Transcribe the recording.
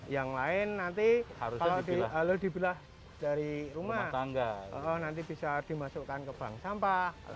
yang lain nanti kalau dibilah dari rumah nanti bisa dimasukkan ke bank sampah